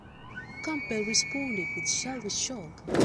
Campbell responded with Shall we Shog?